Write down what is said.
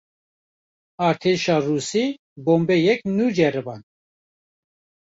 Artêşa Rûsî, bombeyek nû ceriband